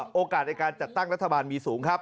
เยอะสุดก็โอกาสในการจัดตั้งรัฐบาลมีสูงครับ